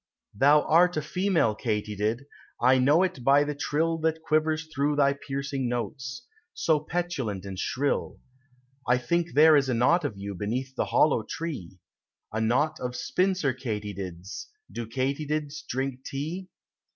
Thou art a female, Katydid I know it by the trill That quivers through thy piercing notes, So petulant and shrill; I think there is a knot of you Beneath the hollow tree, A knot of spinster Katydids, Do Katydids drink tea?